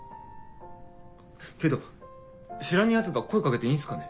けど知らねえヤツが声掛けていいんすかね？